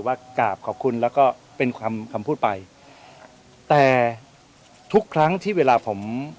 ว่ากราบขอบคุณแล้วก็เป็นคำคำพูดไปแต่ทุกครั้งที่เวลาผม